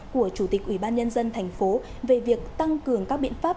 của chủ tịch ubnd tp về việc tăng cường các biện pháp